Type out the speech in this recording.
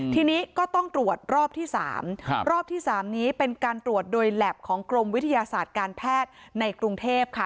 ทีนี้ก็ต้องตรวจรอบที่๓รอบที่๓นี้เป็นการตรวจโดยแล็บของกรมวิทยาศาสตร์การแพทย์ในกรุงเทพค่ะ